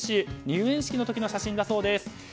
入園式の時の写真だそうです。